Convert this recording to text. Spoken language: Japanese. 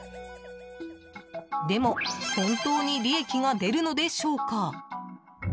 でも、本当に利益が出るのでしょうか？